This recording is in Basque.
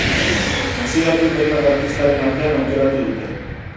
Nazioarteko hainbat artistaren artean aukeratu dute.